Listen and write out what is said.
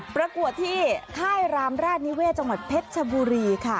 ประกวดที่ค่ายรามราชนิเวศจังหวัดเพชรชบุรีค่ะ